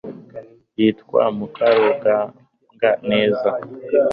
yitwa mukarugambwa neza